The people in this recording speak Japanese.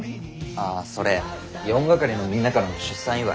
ああそれ４係のみんなからの出産祝。